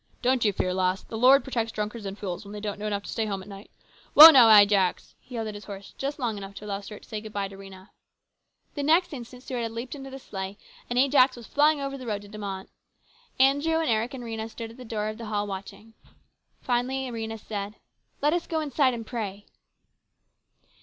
"Don't you fear, lass. The Lord protects drunkards and fools when they don't know enough to stay at home at night. Whoa now, THE CONFERENCE. 263 Ajax !" he yelled at his horse, just long enough to allow Stuart to say good by to Rhena. The next instant Stuart had leaped into the sleigh, and Ajax was flying over the road to De Mott. Andrew and Eric and Rhena stood at the door of the hall watching. Finally Rhena said, " Let us go inside and pray."